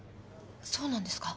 そうなんですか？